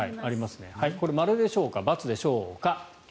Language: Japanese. これ、○でしょうか×でしょうか。